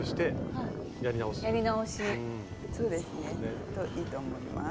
そうですね。といいと思います。